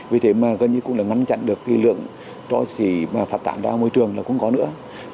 vì thế mà gần như cũng là ngăn chặn được lượng cho xỉ mà phát tạo ra môi trường là không có nữa